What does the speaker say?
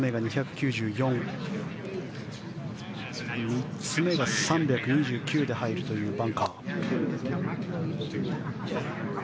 ３つ目が３２９で入るというバンカー。